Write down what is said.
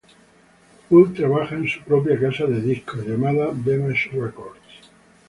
Wood trabaja en su propia casa disquera llamada Damage Records.